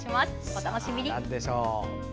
お楽しみに。